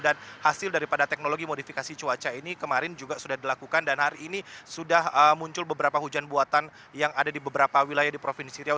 dan hasil dari pada teknologi modifikasi cuaca ini kemarin juga sudah dilakukan dan hari ini sudah muncul beberapa hujan buatan yang ada di beberapa wilayah di provinsi riau